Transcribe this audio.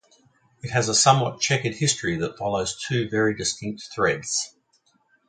It has a somewhat chequered history that follows two very distinct threads.